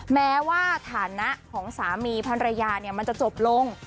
แม้ว่าฐานะของสามีภรรยามันจะจบลง